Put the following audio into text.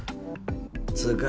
つうか